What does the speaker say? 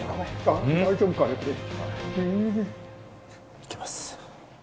いきます。